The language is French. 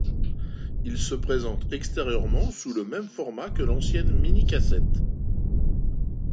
Il se présente extérieurement sous le même format que l'ancienne minicassette.